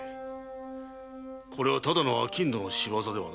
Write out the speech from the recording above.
これはただの商人の仕業ではないな。